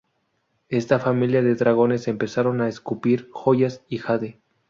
Esta familia de dragones empezaron a escupir joyas y jade.